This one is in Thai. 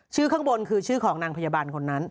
ข้างบนคือชื่อของนางพยาบาลคนนั้น